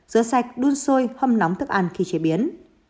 dứa sạch đun sôi hâm nóng thức ăn khi chế biến